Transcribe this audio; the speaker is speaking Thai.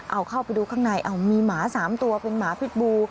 เอาเข้าไปดูข้างในมีหมา๓ตัวเป็นหมาพิษบู